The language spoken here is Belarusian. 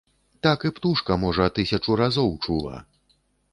Так і птушка можа, тысячу разоў чула.